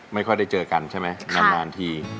ไม่ค่อยได้เจอกันใช่ไหมนานที